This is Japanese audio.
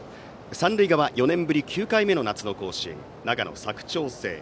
三塁側、４年ぶり９回目の夏の甲子園長野・佐久長聖。